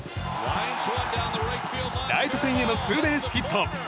ライト線へのツーベースヒット。